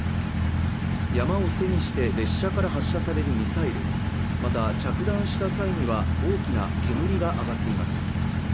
山を背にして列車から発射されるミサイルまた着弾した際には大きな煙が上がっています